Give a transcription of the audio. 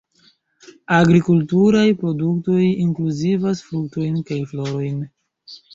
Agrikulturaj produktoj inkluzivas fruktojn kaj florojn.